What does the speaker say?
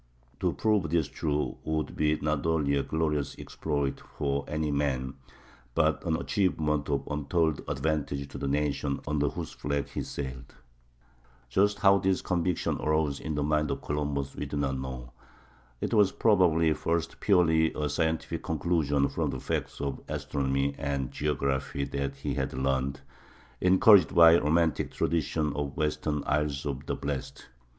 To prove this true would be not only a glorious exploit for any man, but an achievement of untold advantage to the nation under whose flag he sailed. [Illustration: PORTRAIT STATUE OF COLUMBUS IN MADRID.] Just how this conviction arose in the mind of Columbus we do not know. It was probably first a purely scientific conclusion from the facts of astronomy and geography that he had learned, encouraged by romantic traditions of western "Isles of the Blest."